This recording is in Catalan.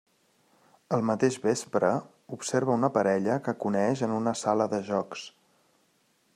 El mateix vespre, observa una parella que coneix en una sala de jocs.